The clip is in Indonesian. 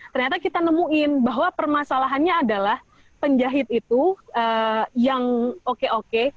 ternyata kita nemuin bahwa permasalahannya adalah penjahit itu yang oke oke